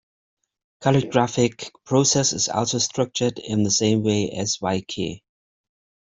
Calligraphic process is also structured in the same way as wéiqí.